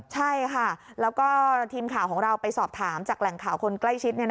ใช่ค่ะแล้วก็ทีมข่าวของเราไปสอบถามจากแหล่งข่าวคนใกล้ชิด